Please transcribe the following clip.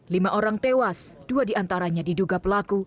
lima orang tewas dua diantaranya diduga pelaku